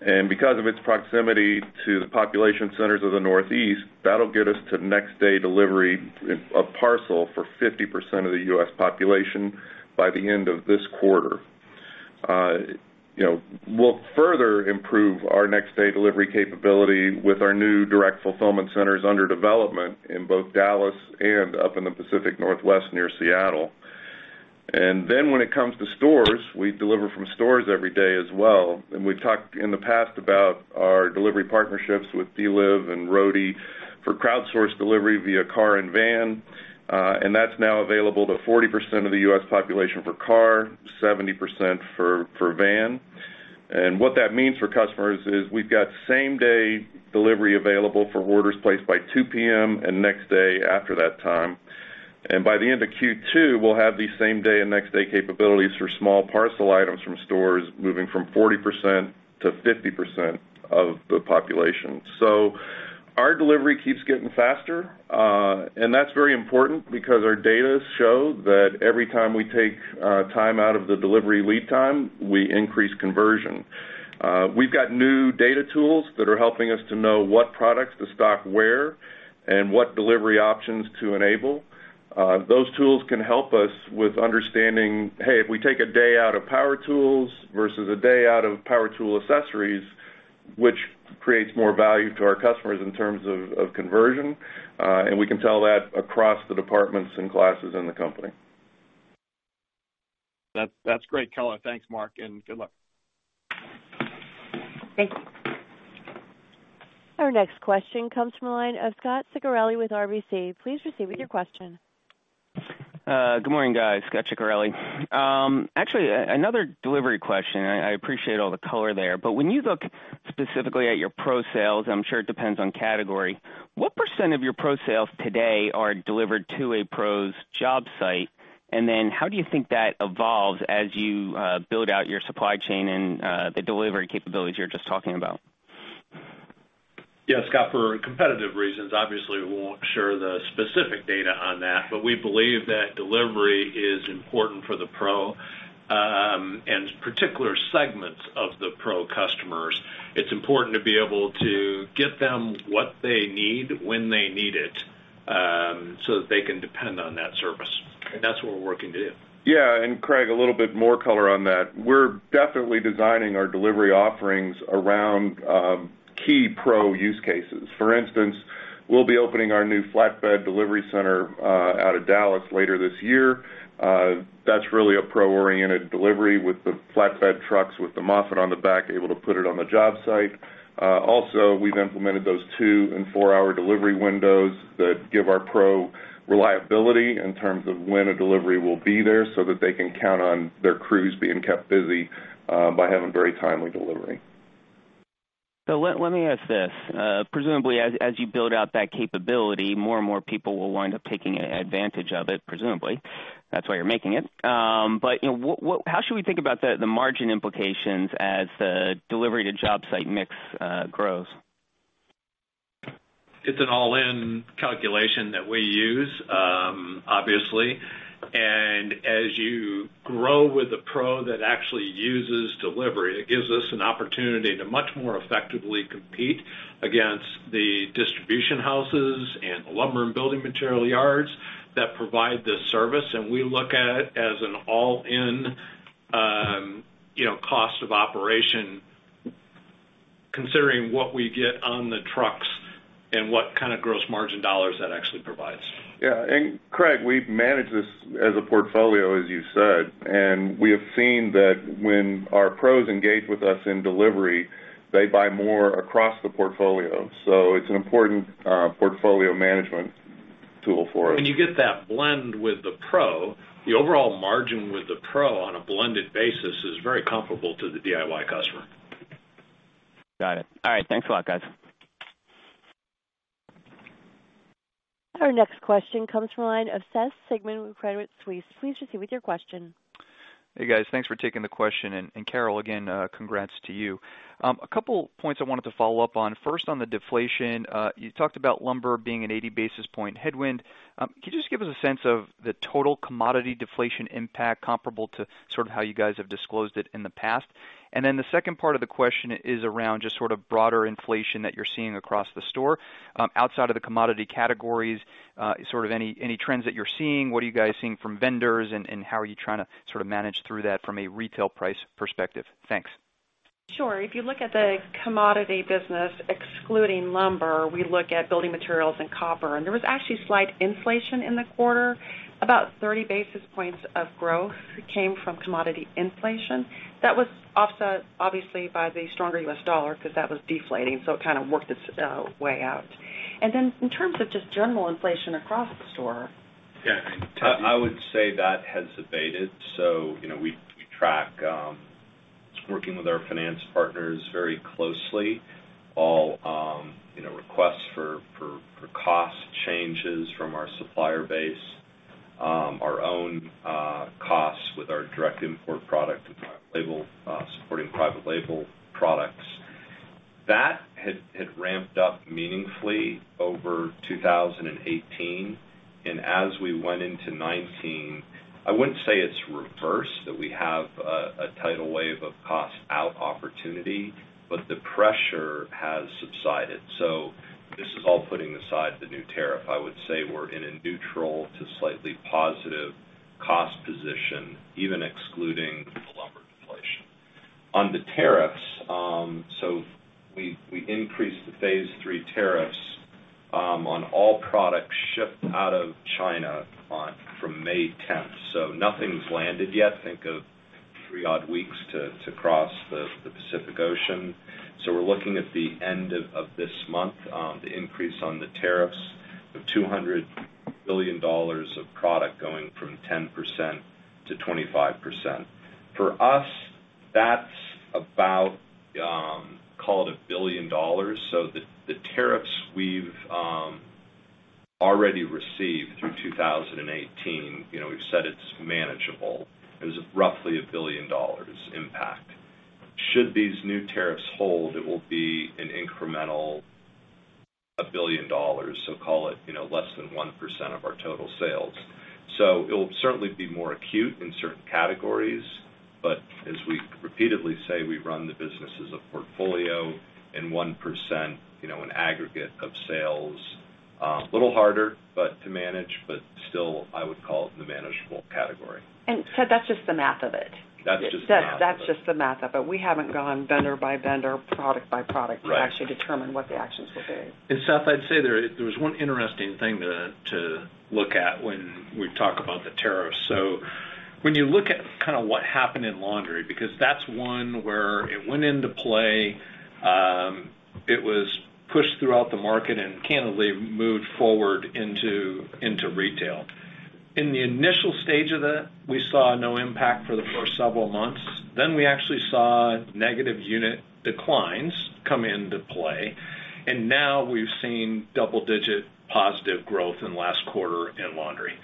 Because of its proximity to the population centers of the Northeast, that'll get us to next day delivery of parcel for 50% of the U.S. population by the end of this quarter. We'll further improve our next day delivery capability with our new direct fulfillment centers under development in both Dallas and up in the Pacific Northwest near Seattle. When it comes to stores, we deliver from stores every day as well. We've talked in the past about our delivery partnerships with Deliv and Roadie for crowdsourced delivery via car and van. That's now available to 40% of the U.S. population for car, 70% for van. What that means for customers is we've got same-day delivery available for orders placed by 2:00 P.M. and next day after that time. By the end of Q2, we'll have the same-day and next day capabilities for small parcel items from stores moving from 40% to 50% of the population. Our delivery keeps getting faster. That's very important because our data show that every time we take time out of the delivery lead time, we increase conversion. We've got new data tools that are helping us to know what products to stock where and what delivery options to enable. Those tools can help us with understanding, hey, if we take a day out of power tools versus a day out of power tool accessories, which creates more value to our customers in terms of conversion? We can tell that across the departments and classes in the company. That's great color. Thanks, Mark, and good luck. Thank you. Our next question comes from the line of Scot Ciccarelli with RBC. Please proceed with your question. Good morning, guys. Scot Ciccarelli. Actually, another delivery question. When you look specifically at your pro sales, I'm sure it depends on category, what % of your pro sales today are delivered to a pro's job site? How do you think that evolves as you build out your supply chain and the delivery capabilities you were just talking about? Yeah, Scot, for competitive reasons, obviously, we won't share the specific data on that, but we believe that delivery is important for the pro, and particular segments of the pro customers. It's important to be able to get them what they need when they need it, so that they can depend on that service. That's what we're working to do. Yeah. Craig, a little bit more color on that. We're definitely designing our delivery offerings around key pro use cases. For instance, we'll be opening our new flatbed delivery center out of Dallas later this year. That's really a pro-oriented delivery with the flatbed trucks, with the Moffett on the back, able to put it on the job site. Also, we've implemented those two and four-hour delivery windows that give our pro reliability in terms of when a delivery will be there so that they can count on their crews being kept busy by having very timely delivery. Let me ask this. Presumably, as you build out that capability, more and more people will wind up taking advantage of it, presumably. That's why you're making it. How should we think about the margin implications as the delivery to job site mix grows? It's an all-in calculation that we use, obviously. As you grow with a pro that actually uses delivery, it gives us an opportunity to much more effectively compete against the distribution houses and lumber and building material yards that provide this service. We look at it as an all-in cost of operation, considering what we get on the trucks and what kind of gross margin dollars that actually provides. Yeah. Craig, we've managed this as a portfolio, as you said, and we have seen that when our pros engage with us in delivery, they buy more across the portfolio. It's an important portfolio management tool for us. When you get that blend with the pro, the overall margin with the pro on a blended basis is very comparable to the DIY customer. Got it. All right, thanks a lot, guys. Our next question comes from the line of Seth Sigman with Credit Suisse. Please proceed with your question. Hey, guys. Thanks for taking the question. Carol, again, congrats to you. A couple points I wanted to follow up on. First, on the deflation, you talked about lumber being an 80 basis point headwind. Can you just give us a sense of the total commodity deflation impact comparable to how you guys have disclosed it in the past? The second part of the question is around just broader inflation that you're seeing across the store. Outside of the commodity categories, any trends that you're seeing? What are you guys seeing from vendors, and how are you trying to manage through that from a retail price perspective? Thanks. Sure. If you look at the commodity business, excluding lumber, we look at building materials and copper, and there was actually slight inflation in the quarter. About 30 basis points of growth came from commodity inflation. That was offset, obviously, by the stronger U.S. dollar because that was deflating, so it kind of worked its way out. In terms of just general inflation across the store. Yeah. I would say that has abated. We track, working with our finance partners very closely, all requests for cost changes from our supplier base, our own costs with our direct import product label, supporting private label products. That had ramped up meaningfully over 2018. As we went into 2019, I wouldn't say it's reversed, that we have a tidal wave of cost out opportunity, but the pressure has subsided. This is all putting aside the new tariff. I would say we're in a neutral to slightly positive cost position, even excluding the lumber deflation. On the tariffs, we increased the phase three tariffs on all products shipped out of China from May 10th. Nothing's landed yet. Think of three odd weeks to cross the Pacific Ocean. We're looking at the end of this month, the increase on the tariffs of $200 billion of product going from 10%-25%. For us, that's about, call it, $1 billion. The tariffs we've already received through 2018, we've said it's manageable. It was roughly a $1 billion impact. Should these new tariffs hold, it will be an incremental $1 billion, call it, less than 1% of our total sales. It'll certainly be more acute in certain categories, but as we repeatedly say, we run the business as a portfolio and 1%, an aggregate of sales, a little harder to manage, but still, I would call it in the manageable category. Seth, that's just the math of it. That's just the math of it. That's just the math of it. We haven't gone vendor by vendor, product by product. Right to actually determine what the actions will be. Seth, I'd say there was one interesting thing to look at when we talk about the tariffs. When you look at what happened in laundry, because that's one where it went into play. It was pushed throughout the market, and candidly, moved forward into retail. In the initial stage of that, we saw no impact for the first several months. We actually saw negative unit declines come into play, and now we've seen double-digit positive growth in the last quarter in laundry.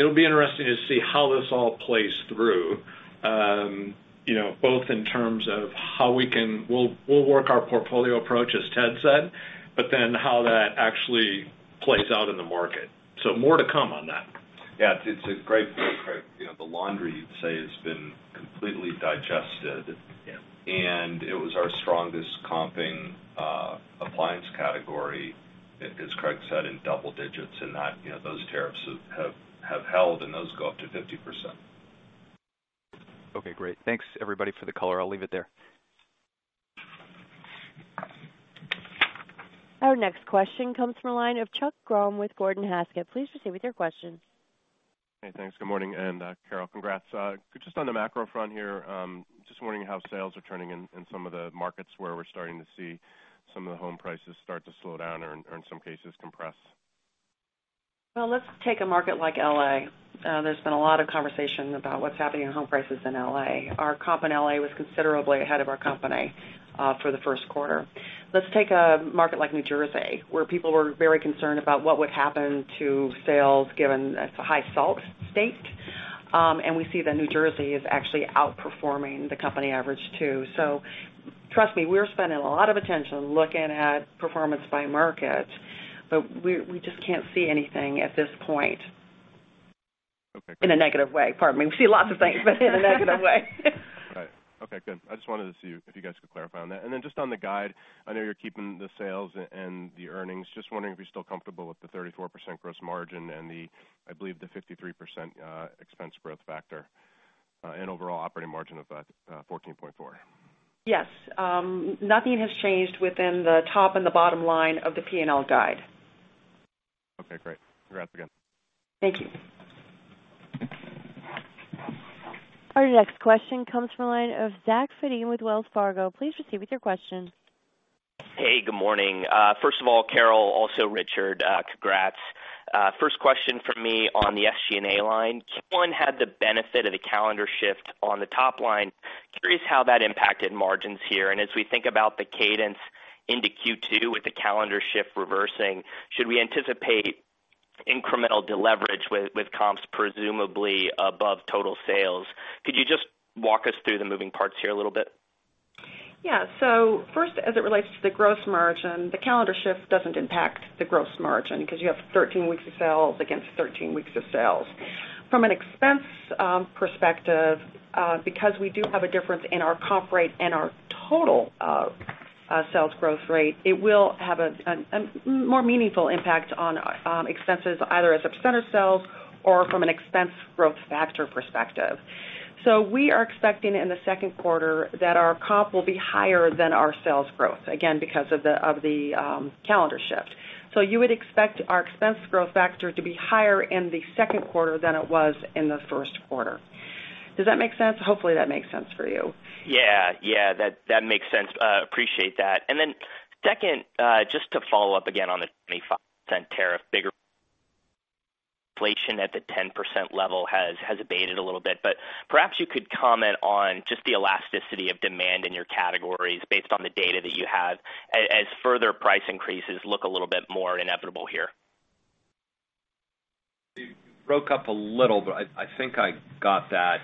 It'll be interesting to see how this all plays through, both in terms of how we'll work our portfolio approach, as Ted said, how that actually plays out in the market. More to come on that. Yeah, it's a great point, Craig. The laundry, you'd say, has been completely digested. Yeah. It was our strongest comping appliance category, as Craig said, in double digits, and those tariffs have held, and those go up to 50%. Okay, great. Thanks everybody for the color. I'll leave it there. Our next question comes from the line of Chuck Grom with Gordon Haskett. Please proceed with your question. Hey, thanks. Good morning. Carol, congrats. Just on the macro front here, just wondering how sales are turning in some of the markets where we're starting to see some of the home prices start to slow down or in some cases compress. Let's take a market like L.A. There's been a lot of conversation about what's happening in home prices in L.A. Our comp in L.A. was considerably ahead of our company for the first quarter. Let's take a market like New Jersey, where people were very concerned about what would happen to sales given it's a high SALT state. We see that New Jersey is actually outperforming the company average too. Trust me, we're spending a lot of attention looking at performance by market, but we just can't see anything at this point. Okay. In a negative way, pardon me. We see lots of things, but in a negative way. Right. Okay, good. I just wanted to see if you guys could clarify on that. Then just on the guide, I know you're keeping the sales and the earnings. Just wondering if you're still comfortable with the 34% gross margin and the, I believe, the 53% expense growth factor, and overall operating margin of 14.4%. Yes. Nothing has changed within the top and the bottom line of the P&L guide. Okay, great. Congrats again. Thank you. Our next question comes from the line of Zachary Fadem with Wells Fargo. Please proceed with your question. Hey, good morning. First of all, Carol, also Richard, congrats. First question from me on the SG&A line. Q1 had the benefit of the calendar shift on the top line. Curious how that impacted margins here, and as we think about the cadence into Q2 with the calendar shift reversing, should we anticipate incremental deleverage with comps presumably above total sales? Could you just walk us through the moving parts here a little bit? Yeah. First, as it relates to the gross margin, the calendar shift doesn't impact the gross margin because you have 13 weeks of sales against 13 weeks of sales. From an expense perspective, because we do have a difference in our comp rate and our total sales growth rate, it will have a more meaningful impact on expenses, either as a % of sales or from an expense growth factor perspective. We are expecting in the second quarter that our comp will be higher than our sales growth, again, because of the calendar shift. You would expect our expense growth factor to be higher in the second quarter than it was in the first quarter. Does that make sense? Hopefully, that makes sense for you. Yeah. That makes sense. Appreciate that. Then second, just to follow up again on the 25% tariff, bigger inflation at the 10% level has abated a little bit. Perhaps you could comment on just the elasticity of demand in your categories based on the data that you have, as further price increases look a little bit more inevitable here. It broke up a little, but I think I got that.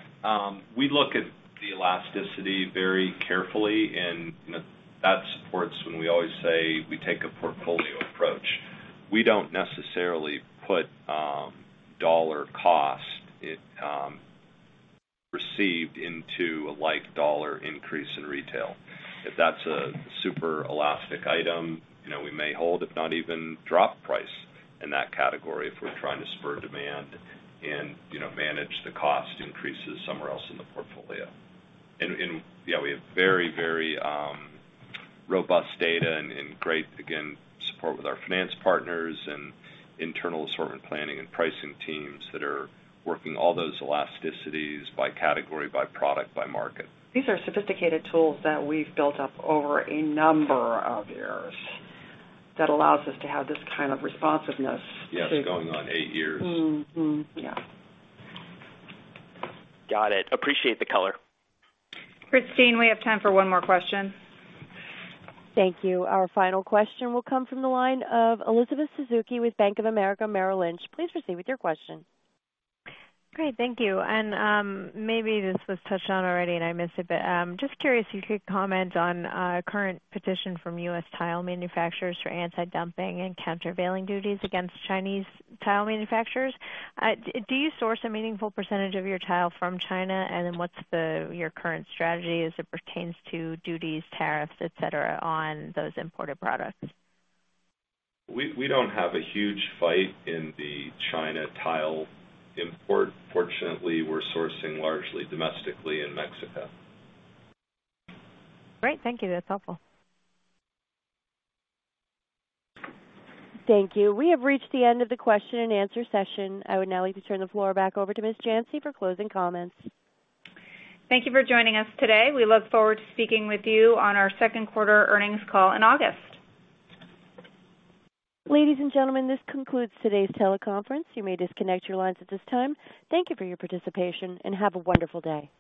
We look at the elasticity very carefully, and that supports when we always say we take a portfolio approach. We don't necessarily put dollar cost received into a like dollar increase in retail. If that's a super elastic item, we may hold if not even drop price in that category if we're trying to spur demand and manage the cost increases somewhere else in the portfolio. Yeah, we have very robust data and great, again, support with our finance partners and internal assortment planning and pricing teams that are working all those elasticities by category, by product, by market. These are sophisticated tools that we've built up over a number of years that allows us to have this kind of responsiveness. Yes, going on eight years. Mm-hmm. Yeah. Got it. Appreciate the color. Christine, we have time for one more question. Thank you. Our final question will come from the line of Elizabeth Suzuki with Bank of America Merrill Lynch. Please proceed with your question. Great. Thank you. Maybe this was touched on already, and I missed it, but just curious if you could comment on current petition from U.S. tile manufacturers for anti-dumping and countervailing duties against Chinese tile manufacturers. Do you source a meaningful percentage of your tile from China, and then what's your current strategy as it pertains to duties, tariffs, et cetera, on those imported products? We don't have a huge fight in the China tile import. Fortunately, we're sourcing largely domestically in Mexico. Great. Thank you. That's helpful. Thank you. We have reached the end of the question and answer session. I would now like to turn the floor back over to Ms. Janci for closing comments. Thank you for joining us today. We look forward to speaking with you on our second quarter earnings call in August. Ladies and gentlemen, this concludes today's teleconference. You may disconnect your lines at this time. Thank you for your participation, and have a wonderful day.